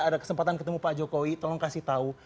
ada kesempatan ketemu pak jokowi tolong kasih tahu